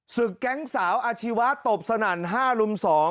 ศึกแก๊งสาวอาชีวะตบสนั่น๕ลุม๒